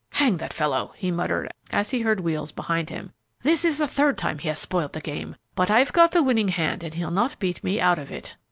"Hang that fellow!" he muttered, as he heard wheels behind him. "This is the third time he has spoiled the game; but I've got the winning hand, and he'll not beat me out of it!"